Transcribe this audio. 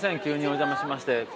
急にお邪魔しまして。